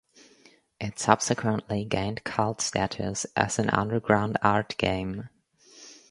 It subsequently gained cult status as an underground art game.